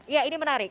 ya ini menarik